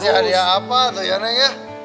kasih hadiah apa tuh ya neng ya